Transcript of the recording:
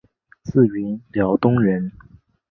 自云辽东人。